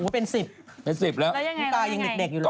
เป็น๑๐แล้วพูดตามอย่างเด็กอยู่แล้วเหรอ